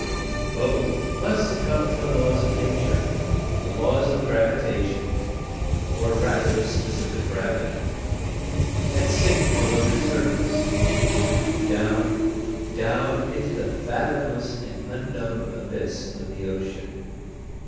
Both must succumb to the laws of Nature, the laws of gravitation, or rather of specific gravity, and sink below the surface, down, down into the fathomless and unknown abysm of the ocean.